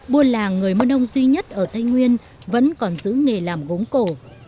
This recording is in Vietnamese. buôn làng người mơ nông duy nhất ở tây nguyên vẫn còn giữ nghề làm gốm cổ